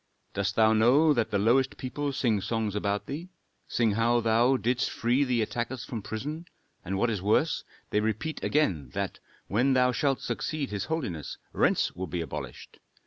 Dost thou know that the lowest people sing songs about thee, sing how thou didst free the attackers from prison, and what is worse, they repeat again, that, when thou shalt succeed his holiness, rents will be abolished.